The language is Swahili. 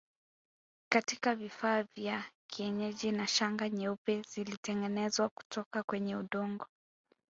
Katika vifaa vya kienyeji na Shanga nyeupe zilitengenezwa kutoka kwenye udongo